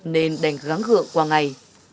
nên đành gắng gượng qua ngày